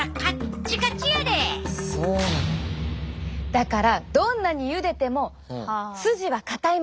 だからどんなにゆでてもスジはかたいまま。